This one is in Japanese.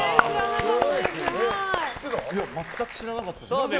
知らなかったです。